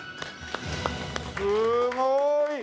すごーい！